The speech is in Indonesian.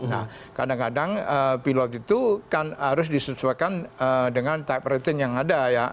nah kadang kadang pilot itu kan harus disesuaikan dengan type rating yang ada ya